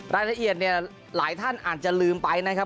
รายละเอียดเนี่ยหลายท่านอาจจะลืมไปนะครับ